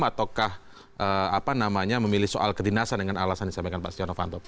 ataukah memilih soal kedinasan dengan alasan yang disampaikan pak sjanovanto